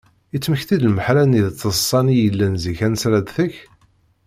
yettmekti-d leḥmala-nni d teḍsa-nni i yellan zik ansi ara d-tekk?